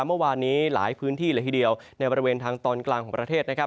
เมื่อวานนี้หลายพื้นที่เลยทีเดียวในบริเวณทางตอนกลางของประเทศนะครับ